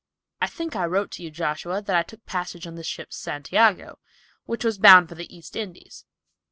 I think I wrote to you, Joshua, that I took passage on the ship Santiago, which was bound for the East Indies.